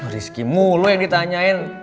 rizky mulu yang ditanyain